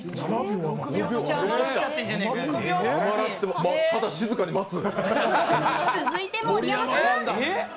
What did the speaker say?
ただ静かに待つ。